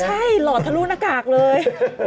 ใช่หลอดทะลุหน้ากากเลย